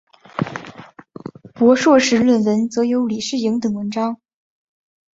博硕士论文则有李诗莹等文章。